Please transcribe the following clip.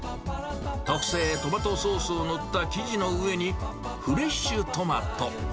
特製トマトソースを塗った生地の上に、フレッシュトマト。